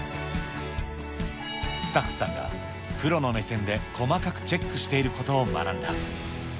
スタッフさんがプロの目線で細かくチェックしていることを学んだ。